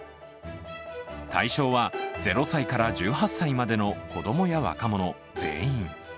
対象は０歳から１８歳までの子どもや若者全員。